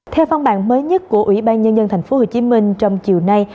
theo văn bản mới nhất của ủy ban nhân dân tp hcm trong chiều nay